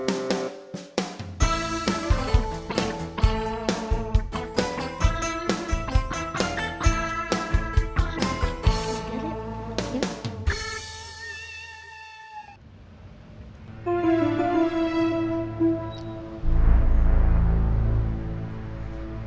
oleh itu setelah yang cumel